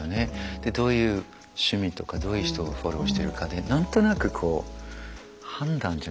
でどういう趣味とかどういう人をフォローしてるかで何となくこう判断じゃないけど。